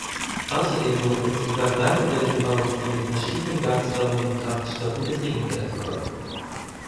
Außerdem wurden insgesamt drei Modelle gebaut, die mit verschiedenen gasförmigen Kraftstoffen betrieben werden konnten.